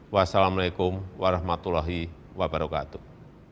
wassalamu'alaikum warahmatullahi wabarakatuh